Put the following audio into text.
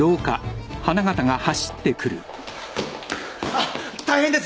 あっ大変です！